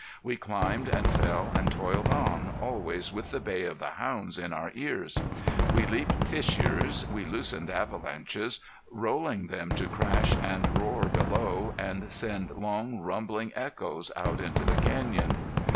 We climbed and fell and toiled on, always with the bay of the hounds in our ears. We leaped fissures, we loosened avalanches, rolling them to crash and roar below, and send long, rumbling echoes out into the canyon.